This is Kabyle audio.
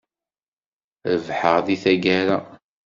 Rebḥeɣ deg tagara.